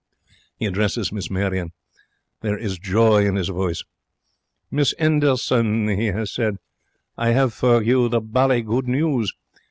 He addresses Miss Marion. There is joy in his voice. 'Miss 'Enderson,' he has said, 'I have for you the bally good news.